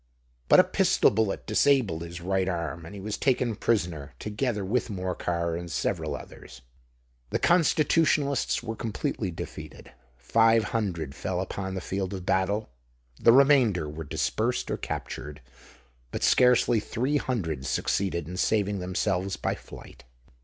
But a pistol bullet disabled his right arm; and he was taken prisoner, together with Morcar and several others. The Constitutionalists were completely defeated; five hundred fell upon the field of battle; the remainder were dispersed or captured. But scarcely three hundred succeeded in saving themselves by flight.